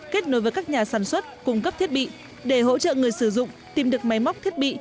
kết nối với các nhà sản xuất cung cấp thiết bị để hỗ trợ người sử dụng tìm được máy móc thiết bị